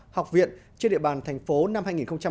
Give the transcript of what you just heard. học viện trên địa bàn thành phố năm hai nghìn một mươi sáu